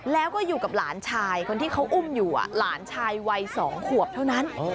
แล้วก็อยู่กับหลานชายคนที่เขาอุ้มอยู่หลานชายวัย๒ขวบเท่านั้น